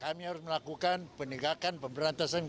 kami harus melakukan peninggalkan pemberantasan korupsi di indonesia